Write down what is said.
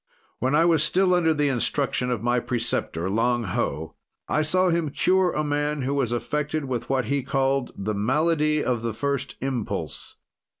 "When I was still under the instruction of my preceptor, Lang Ho, I saw him cure a man who was affected with what he called 'The Malady of the First Impulse.'